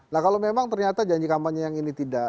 nah kalau memang ternyata janji kampanye yang ini tidak